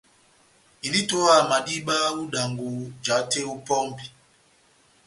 Indini itowaha madíba ó idangɔ, jahate ó pɔmbi.